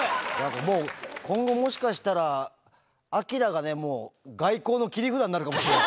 もう、今後、もしかしたら、アキラがね、もう外交の切り札になるかもしれない。